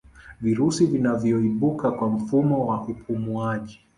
virusi vinavyoibuka kwa mfumo wa upumuwaji